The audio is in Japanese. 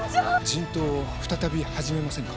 人痘を再び始めませぬか？